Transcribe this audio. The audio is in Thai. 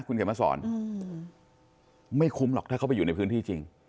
คุณเขียนมาสอนไม่คุ้มหรอกถ้าเขาไปอยู่ในพื้นที่จริง